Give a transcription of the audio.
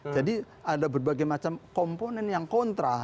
jadi ada berbagai macam komponen yang kontra